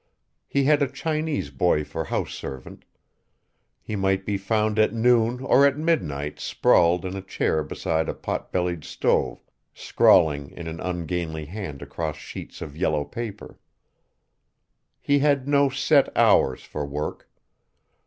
He had a Chinese boy for house servant. He might be found at noon or at midnight sprawled in a chair beside a pot bellied stove, scrawling in an ungainly hand across sheets of yellow paper. He had no set hours for work.